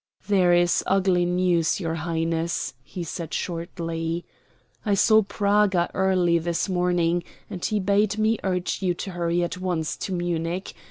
"There is ugly news, your Highness," he said shortly. "I saw Praga early this morning, and he bade me urge you to hurry at once to Munich.